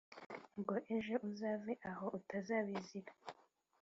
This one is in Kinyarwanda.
ngo ejo uzave aho utazabizira